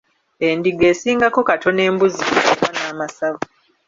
Endiga esingako katono embuzi okuba n'amasavu.